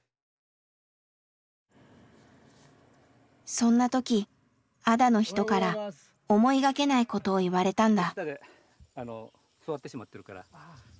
そんな時安田の人から思いがけないことを言われたんだ。